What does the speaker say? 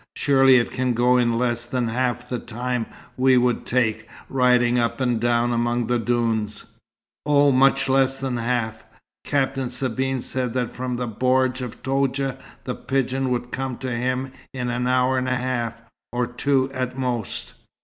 Surely it can go in less than half the time we would take, riding up and down among the dunes." "Oh, much less than half! Captain Sabine said that from the bordj of Toudja the pigeon would come to him in an hour and a half, or two at most."